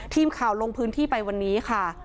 ทีมข่าวลงพื้นที่ไปวันนี้ค่ะ